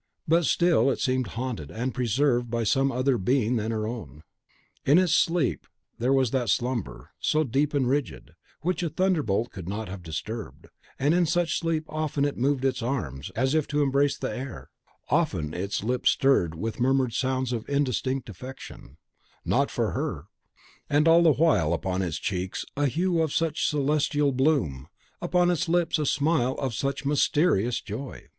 But still it seemed haunted and preserved by some other being than her own. In its sleep there was that slumber, so deep and rigid, which a thunderbolt could not have disturbed; and in such sleep often it moved its arms, as to embrace the air: often its lips stirred with murmured sounds of indistinct affection, NOT FOR HER; and all the while upon its cheeks a hue of such celestial bloom, upon its lips a smile of such mysterious joy!